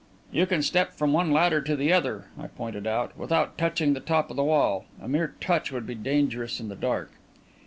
"You can step from one ladder to the other," I pointed out, "without touching the top of the wall. A mere touch would be dangerous in the dark."